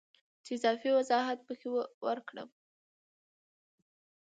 چې اضافي وضاحت پکې ورکړم